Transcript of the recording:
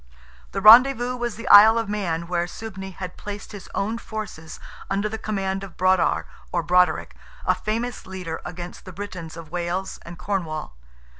The rendezvous was the Isle of Man, where Suibne had placed his own forces under the command of Brodar or Broderick, a famous leader against the Britons of Wales and Cornwall.